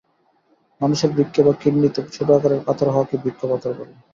মানুষের বৃক্কে বা কিডনিতে ছোট আকারের পাথর হওয়াকেই বৃক্ক পাথর বলে।